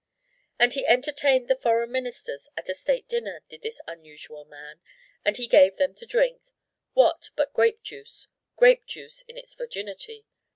And he entertained the foreign ministers at a state dinner, did this unusual man, and he gave them to drink what but grape juice, grape juice in its virginity.